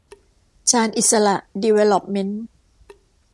ชาญอิสสระ ดีเวล็อปเมนท์